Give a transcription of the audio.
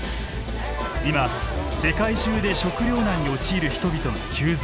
今世界中で食料難に陥る人々が急増。